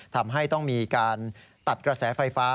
ทำให้ต้องมีการตัดกระแสไฟฟ้า